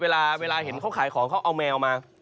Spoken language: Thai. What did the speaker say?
เวลาเห็นเขาขายของเขาเอาแมวมา